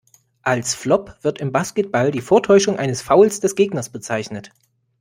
Als Flop wird im Basketball die Vortäuschung eines Fouls des Gegners bezeichnet.